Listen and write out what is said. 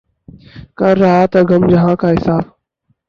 کر رہا تھا غم جہاں کا حساب